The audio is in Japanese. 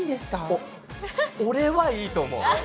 お俺はいいと思う！